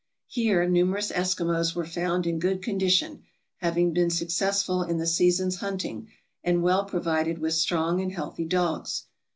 Here numerous Eskimos were found in good condition, having been successful in the season's hunting, and well provided with strong and healthy dogs.